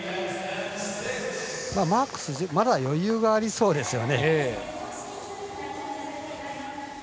マークス、まだ余裕がありそうですよね。